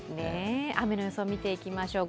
雨の予想をみていきましょう。